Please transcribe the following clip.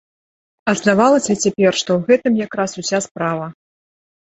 А здавалася цяпер, што ў гэтым якраз уся справа.